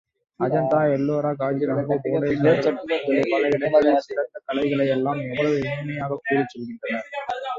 அஜந்தா, எல்லோரா, கஜுரஹோ, புவனேச்வரம் முதலிய பல இடங்களில் சிறந்த கலைகளை எல்லாம் எவ்வளவு இனிமையாகக் கூறிச் செல்கின்றார்.